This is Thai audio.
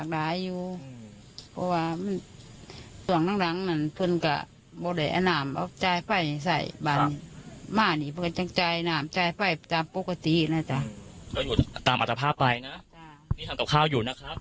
ใจป้ายแต่ปกตินะจ้ะอาจจะตามอัตรภาพไปนะค่ะทำกับข้าวอยู่นะครับ